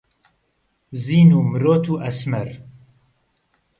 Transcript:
زین و مرۆت و ئەسمەر